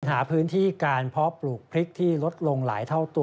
หาพื้นที่การเพาะปลูกพริกที่ลดลงหลายเท่าตัว